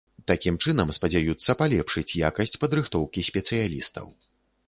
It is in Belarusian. Такім чынам спадзяюцца палепшыць якасць падрыхтоўкі спецыялістаў.